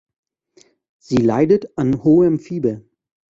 Sie leidet an hohem Fieber.